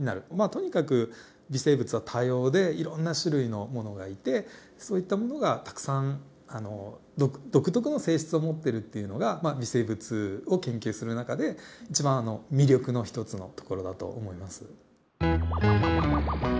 とにかく微生物は多様でいろんな種類のものがいてそういったものがたくさん独特の性質を持ってるっていうのが微生物を研究する中で一番魅力の一つのところだと思います。